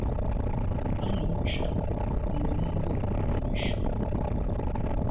A num ntshùag num mbwe neshu.